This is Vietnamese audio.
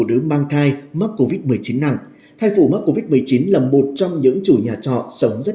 đứa mang thai mắc covid một mươi chín nặng thai phụ mắc covid một mươi chín là một trong những chủ nhà trọ sống rất